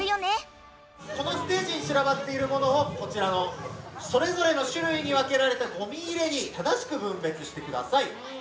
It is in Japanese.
このステージにちらばっているものをこちらのそれぞれのしゅるいに分けられたゴミ入れに正しく分別してください。